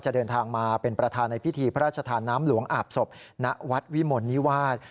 เดินทางมาเป็นประธานในพิธีพระราชทานน้ำหลวงอาบศพณวัดวิมลนิวาส